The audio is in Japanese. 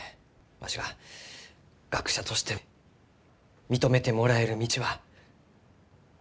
わしが学者として認めてもらえる道はないがですか？